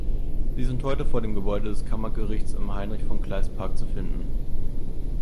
Sie sind heute vor dem Gebäude des Kammergerichts im Heinrich-von-Kleist-Park zu finden.